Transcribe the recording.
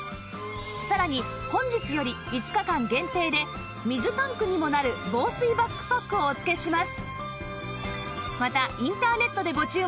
さらに本日より５日間限定で水タンクにもなる防水バックパックをお付けします